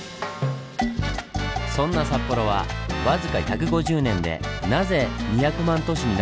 そんな札幌は僅か１５０年でなぜ２００万都市になったんでしょう？